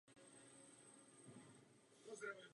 Sídlem okresu je město Lincoln.